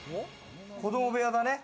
子ども部屋だね。